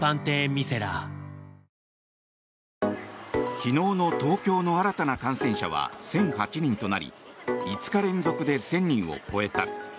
昨日の東京の新たな感染者は１００８人となり５日連続で１０００人を超えた。